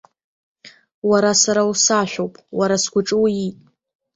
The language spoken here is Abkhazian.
Уара сара усашәоуп, уара сгәаҿы уиит.